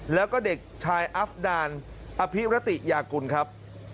แล้วก็เด็กชายอัฟดานอภิรติยากุลครับ